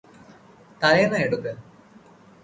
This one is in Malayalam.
തലയണ എടുക്ക്